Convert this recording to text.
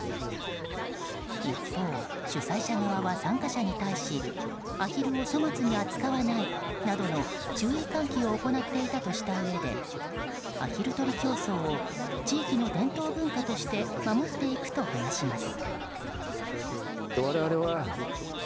一方、主催者側は参加者に対しアヒルを粗末に扱わないなどの注意喚起を行っていたとしたうえでアヒル取り競争を地域の伝統文化として守っていくと話します。